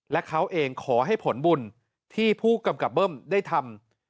และเขาเองขอให้ผลบุญที่ผู้กำกับเบิ้มได้ทำ